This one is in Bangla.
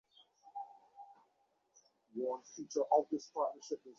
একটি নিয়ন পরমাণুতে কয়টি নিউট্রন থাকে?